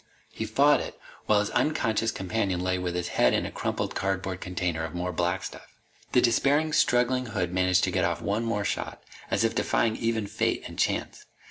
He fought it, while his unconscious companion lay with his head in a crumpled cardboard container of more black stuff. The despairing, struggling hood managed to get off one more shot, as if defying even fate and chance.